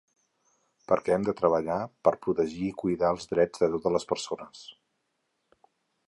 Perquè hem de treballar per protegir i cuidar els drets de totes les persones.